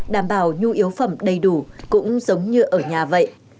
đảm bảo nhu yếu phẩm đầy đủ cũng giống như ở nhà vậy